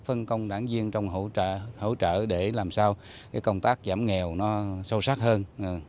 phân công đảng viên trong hỗ trợ để làm sao công tác giảm nghèo sâu sát hơn